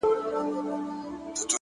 تا به د سونډو په سرونو آله زار وتړی”